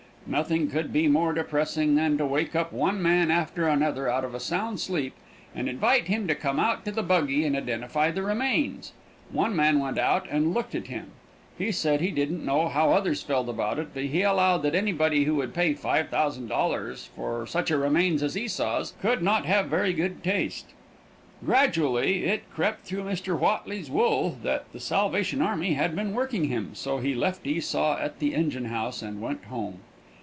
Nothing could be more depressing than to wake up one man after another out of a sound sleep, and invite him to come out to the buggy and identify the remains. One man went out and looked at him. He said he didn't know how others felt about it, but he allowed that anybody who would pay $5,000 for such a remains as Esau's could not have very good taste. Gradually it crept through Mr. Whatley's wool that the Salvation army had been working him, so he left Esau at the engine house and went home.